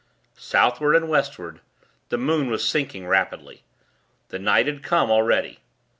Southward and Westward, the moon was sinking rapidly. The night had come, already.